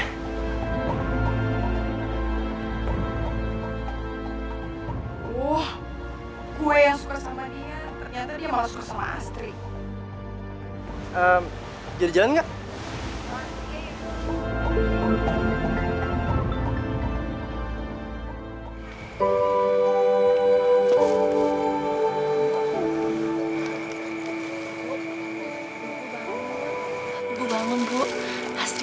gue yang suka sama dia ternyata dia malah suka sama astri